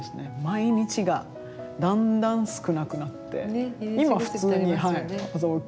毎日がだんだん少なくなって今普通に朝起きて。